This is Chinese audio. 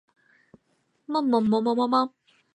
寒暖流交汇的地区通常会形成渔场